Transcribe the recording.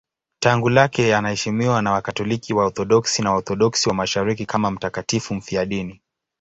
Tangu kale anaheshimiwa na Wakatoliki, Waorthodoksi na Waorthodoksi wa Mashariki kama mtakatifu mfiadini.